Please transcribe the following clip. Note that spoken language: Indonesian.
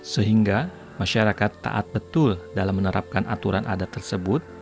sehingga masyarakat taat betul dalam menerapkan aturan adat tersebut